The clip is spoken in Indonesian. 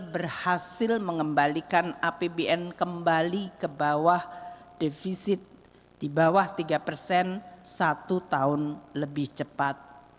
berhasil mengembalikan apbn kembali ke bawah defisit di bawah tiga persen satu tahun lebih cepat